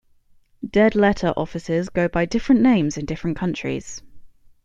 Dead letter offices go by different names in different countries.